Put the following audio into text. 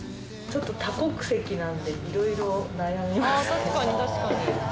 ちょっと多国籍なのでいろいろ悩みますけど。